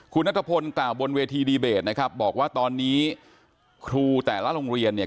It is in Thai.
คุณนัทพลกล่าวบนเวทีดีเบตนะครับบอกว่าตอนนี้ครูแต่ละโรงเรียนเนี่ย